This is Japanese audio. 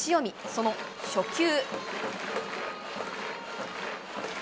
その初球。